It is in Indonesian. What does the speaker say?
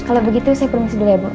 kalau begitu saya promosi dulu ya bu